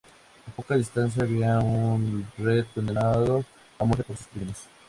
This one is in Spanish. A poca distancia había un reo condenado a muerte por sus crímenes.